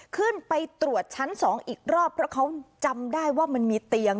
ขึ้นไปตรวจชั้น๒อีกรอบเพราะเขาจำได้ว่ามันมีเตียง